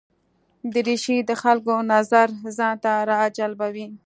دریشي د خلکو نظر ځان ته راجلبوي.